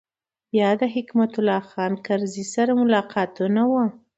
بیا د حکمت الله خان کرزي سره ملاقاتونه و.